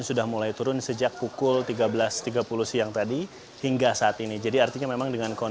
sudah mulai turun sejak pukul tiga belas tiga puluh siang tadi hingga saat ini jadi artinya memang dengan